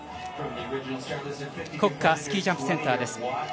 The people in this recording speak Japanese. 国家スキージャンプセンターです。